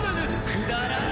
くだらん！